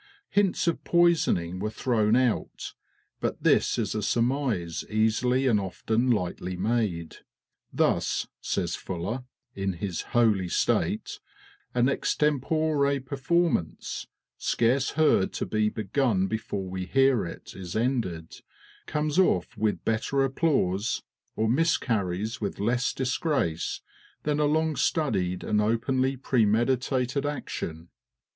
Hints of poisoning were thrown out, but this is a surmise easily and often lightly made. "Thus," says Fuller, in his "Holy State," "an extempore performance, scarce heard to be begun before we hear it is ended, comes off with better applause, or miscarries with less disgrace, than a long studied and openly premeditated action.